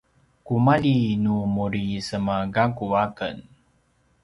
kumalji nu muri semagakku aken